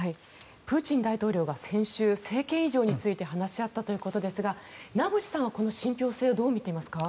プーチン大統領が先週、政権移譲について話し合ったということですが名越さんはこの信ぴょう性をどう見ていますか。